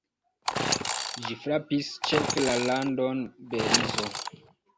Ĝi frapis ĉefe la landon Belizo.